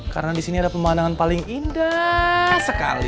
karena disini ada pemandangan paling indah sekali